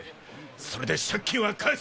それで借金は返す。